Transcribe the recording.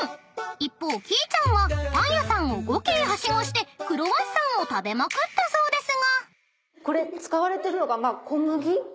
［一方きいちゃんはパン屋さんを５軒はしごしてクロワッサンを食べまくったそうですが］